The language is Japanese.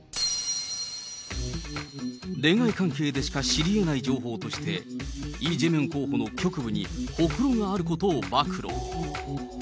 恋愛関係でしか知りえない情報として、イ・ジェミョン候補の局部にほくろがあることを暴露。